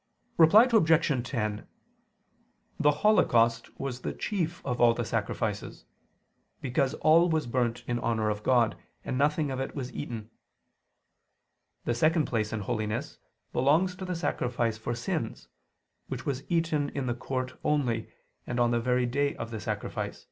Reply Obj. 10: The holocaust was the chief of all the sacrifices: because all was burnt in honor of God, and nothing of it was eaten. The second place in holiness, belongs to the sacrifice for sins, which was eaten in the court only, and on the very day of the sacrifice (Lev.